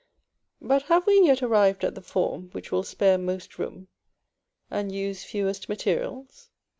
But have we yet arrived at the form which will spare most room, and use fewest materials.